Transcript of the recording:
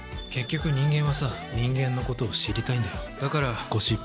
結局、人間はさ人間のことを知りたいんだよ。